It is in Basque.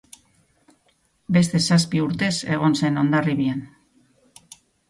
Beste zazpi urtez egon zen Hondarribian.